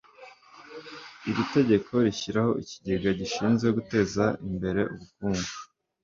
iri tegeko rishyiraho ikigega gishinzwe guteza imere ubukungu.